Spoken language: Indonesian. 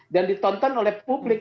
dan ditonton oleh publik